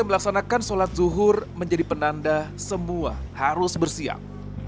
dan melaksanakan sholat zuhur menjadi penanda semua harus bersiap